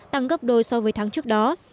tăng gấp đôi so với tháng trước đó